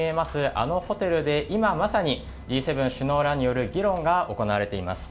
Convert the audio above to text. あのホテルで今まさに、Ｇ７首脳らによる議論が行われています。